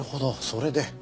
それで。